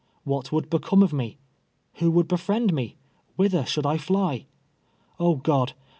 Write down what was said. What would become of me ? Who would befriend me? Whither should I fly ? Oh, God